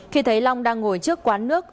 khi thấy long đang ngồi trước quán nước